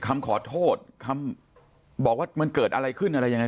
คำขอโทษคำบอกว่ามันเกิดอะไรขึ้นอะไรยังไง